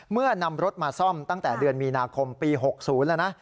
นำรถมาซ่อมตั้งแต่เดือนมีนาคมปี๖๐แล้วนะ